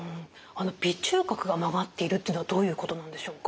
鼻中隔が曲がっているというのはどういうことなんでしょうか？